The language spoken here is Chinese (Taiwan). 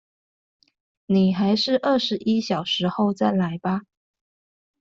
你還是二十一小時後再來吧